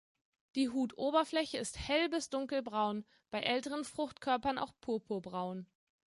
Die Hutoberfläche ist hell- bis dunkelbraun, bei älteren Fruchtkörpern auch purpurbraun.